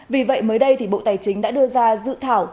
vì vậy mới đây bộ tài chính đã đưa ra dự thảo